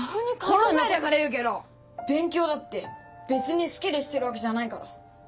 この際だから言うけど勉強だって別に好きでしてるわけじゃないから。